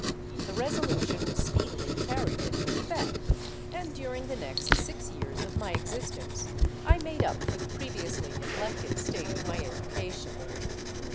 The resolution was speedily carried into effect; and during the next six years of my existence, I made up for the previously neglected state of my education.